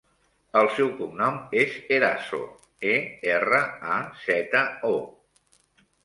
El seu cognom és Erazo: e, erra, a, zeta, o.